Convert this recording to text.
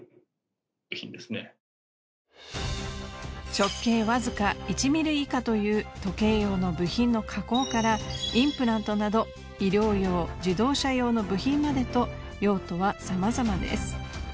直径わずか１ミリ以下という時計用の部品の加工からインプラントなど医療用自動車用の部品までと用途はさまざまです。